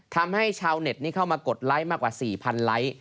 ทำให้ชาวเน็ตนี้เข้ามากดไลค์มากกว่า๔๐๐ไลค์